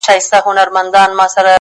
• د وصال شېبه,